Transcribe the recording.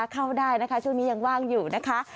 เข้าได้นะคะช่วงนี้ยังว่างอยู่นะคะ